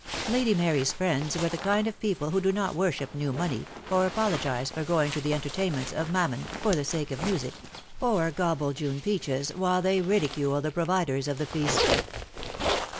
Lady Mary's friends were the kind of people who do not worship new money, or apologise for going to the entertain ments of Mammon "for the sake of the music," or gobble June peaches while they ridicule the providers of the feast.